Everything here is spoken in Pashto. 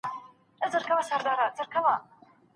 هيڅ نجلۍ بايد له خپلو حقونو څخه بې برخي نه سي.